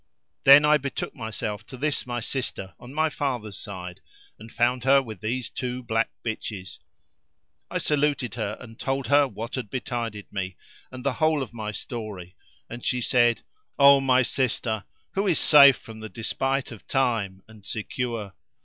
Then I betook myself to this my sister on my father's side and found her with these two black bitches. I saluted her and told her what had betided me and the whole of my story and she said, "O my sister, who is safe from the despite of Time and secure?